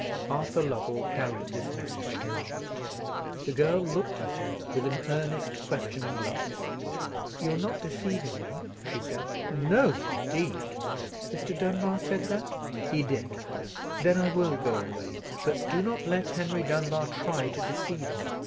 Arthur Lovell carried this message to Margaret. The girl looked at him with an earnest questioning glance. "You are not deceiving me?" she said. "No, indeed!" "Mr. Dunbar said that?" "He did." "Then I will go away. But do not let Henry Dunbar try to deceive me!